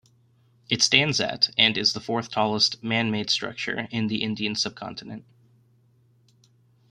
It stands at and is the fourth-tallest man-made structure in the Indian subcontinent.